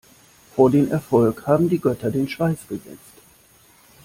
Vor den Erfolg haben die Götter den Schweiß gesetzt.